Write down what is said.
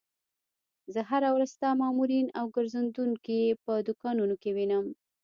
زه هره ورځ ستا مامورین او ګرځېدونکي په دوکانونو کې وینم.